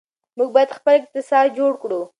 موږ باید خپل اقتصاد جوړ کړو.